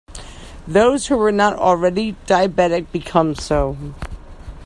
Those who were not already diabetic become so.